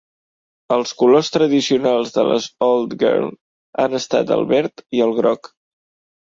Els colors tradicionals de les Old Girl han estat el verd i el groc.